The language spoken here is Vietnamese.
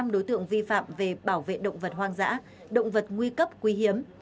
năm đối tượng vi phạm về bảo vệ động vật hoang dã động vật nguy cấp quý hiếm